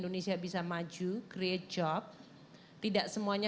dan politika maju yang lebih mengagumi di jawa